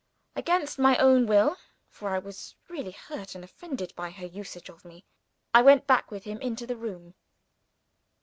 Against my own will for I was really hurt and offended by her usage of me I went back with him into the room.